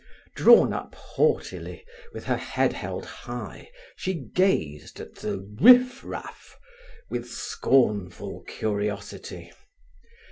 Drawn up haughtily, with her head held high, she gazed at the "riff raff," with scornful curiosity.